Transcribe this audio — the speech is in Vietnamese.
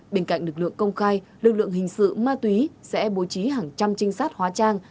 bên cạnh lực lượng công khai lực lượng hình sự ma túy sẽ bố trí hàng trăm trinh sát hóa trang